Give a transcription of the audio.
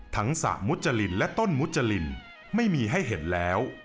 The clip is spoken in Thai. สระมุจรินและต้นมุจรินไม่มีให้เห็นแล้ว